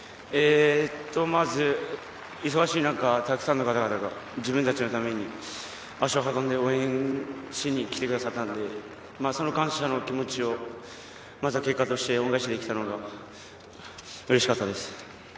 まず、忙しい中、たくさんの方々が自分達のために足を運んで応援しに来てくださったので、その感謝の気持ちをまずは結果として恩返しできたのはうれしかったです。